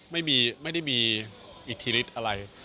ไม่ได้มีอิทธิฤทธิ์อะไร